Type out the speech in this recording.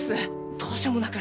どうしようもなく。